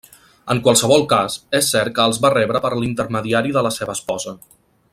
En qualsevol cas, és cert que els va rebre per l'intermediari de la seva esposa.